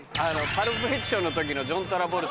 『パルプ・フィクション』の時のジョン・トラボルタさんですね。